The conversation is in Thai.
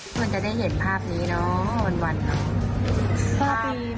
เหมือนจะได้เห็นภาพนี้เนาะบรรวันน้อ